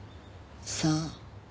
さあ。